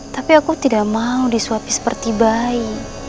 tapi aku tidak mau disuapi seperti bayi